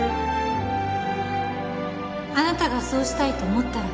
あなたがそうしたいと思ったら